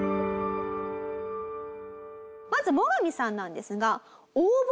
まずモガミさんなんですが。